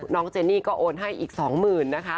น้องเจนนี่ก็โอนให้อีก๒หมื่นนะคะ